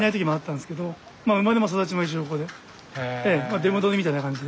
出戻りみたいな感じで。